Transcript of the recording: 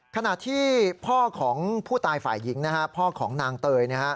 ขณะที่พ่อของผู้ตายฝ่ายหญิงพ่อของนางเตย